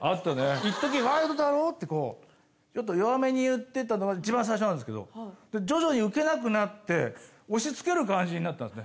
いっときワイルドだろ？ってこう弱めに言ってたのがいちばん最初なんですけど徐々にウケなくなって押しつける感じになったんですね。